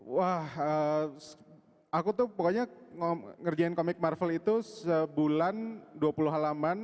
wah aku tuh pokoknya ngerjain komik marvel itu sebulan dua puluh halaman